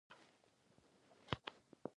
دا ټول د الهیاتو مبحثونه دي.